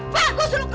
pak gue suruh keluar